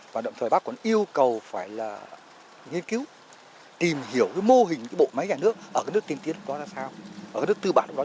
và đồng thời bác còn yêu cầu phải nghiên cứu tìm hiểu mô hình bộ máy nhà nước